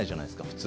普通。